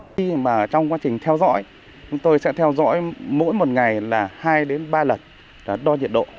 khi mà trong quá trình theo dõi chúng tôi sẽ theo dõi mỗi một ngày là hai đến ba lần đo nhiệt độ